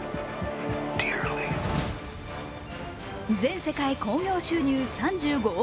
全世界興行収入３５億